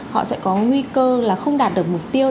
họ sẽ có nguy cơ là không đạt được mục tiêu